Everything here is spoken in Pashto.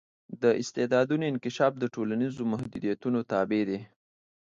د استعدادونو انکشاف د ټولنیزو محدودیتونو تابع دی.